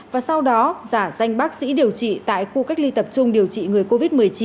và sau đó giả danh bác sĩ điều trị tại khu cách ly tập trung điều trị người covid một mươi chín